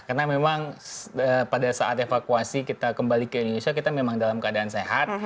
karena memang pada saat evakuasi kita kembali ke indonesia kita memang dalam keadaan sehat